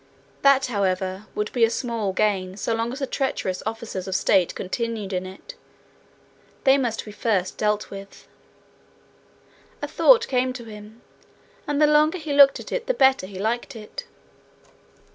That, however, would be small gain so long as the treacherous officers of state continued in it. They must be first dealt with. A thought came to him, and the longer he looked at it the better he liked it.